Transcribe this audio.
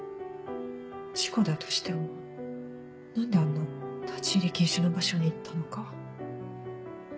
事故だとしても何であんな立ち入り禁止の場所に行ったのか。